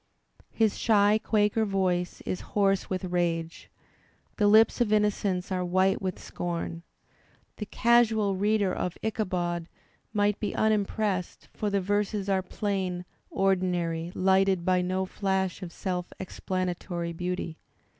His shy Quaker voice is hoarse with rage, the lips of innocence are white with scorn. The casual reader of '"Ichabod" might be unimpressed, for the verses are plain, ordinary, lighted by no flash of self explanatory beauty.